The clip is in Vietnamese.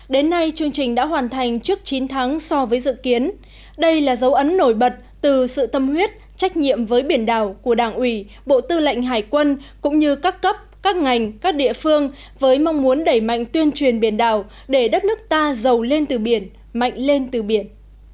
đến nay chương trình đã hoàn thành trước chín tháng so với dự kiến đây là dấu ấn nổi bật từ sự tâm huyết trách nhiệm với biển đảo của đảng ủy bộ tư lệnh hải quân cũng như các cấp các ngành các địa phương với mong muốn đẩy mạnh tuyên truyền biển đảo để đất nước ta giàu lên từ biển mạnh lên từ biển